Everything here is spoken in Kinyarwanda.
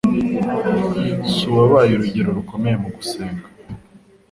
suwabaye Urugero rukomeye mu gusenga.